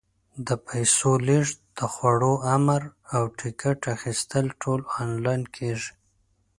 د پیسو لېږد، د خوړو امر، او ټکټ اخیستل ټول آنلاین کېږي.